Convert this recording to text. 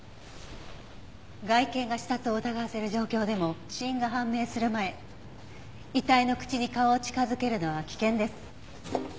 外見が刺殺を疑わせる状況でも死因が判明する前遺体の口に顔を近づけるのは危険です。